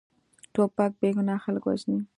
توپک بېګناه خلک وژلي.